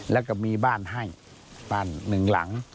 แล้วก็มีบ้านให้บ้านหนึ่งหลัง